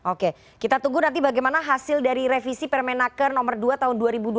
oke kita tunggu nanti bagaimana hasil dari revisi permenaker nomor dua tahun dua ribu dua puluh